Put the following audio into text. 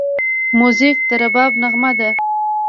موزیک د رباب نغمه ده.